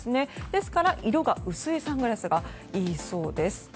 ですから色が薄いサングラスがいいそうです。